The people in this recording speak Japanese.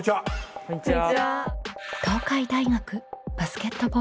こんにちは。